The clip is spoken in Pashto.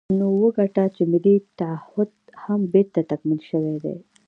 نو وګڼه چې ملي تعهُد هم بېرته تکمیل شوی دی.